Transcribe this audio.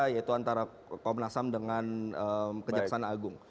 yaitu antara komnas ham dengan kejaksana agung